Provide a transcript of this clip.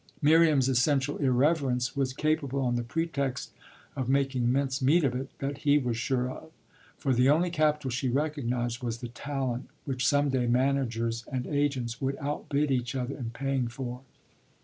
Miriam's essential irreverence was capable, on a pretext, of making mince meat of it that he was sure of; for the only capital she recognised was the talent which some day managers and agents would outbid each other in paying for.